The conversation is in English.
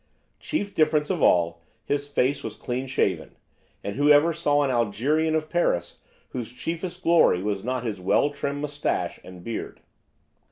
Chief difference of all, his face was clean shaven, and whoever saw an Algerian of Paris whose chiefest glory was not his well trimmed moustache and beard?